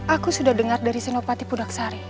aku sudah dengar dari senopati pudaksari